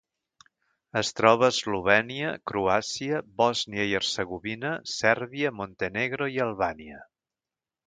Es troba a Eslovènia, Croàcia, Bòsnia i Hercegovina, Sèrbia, Montenegro i Albània.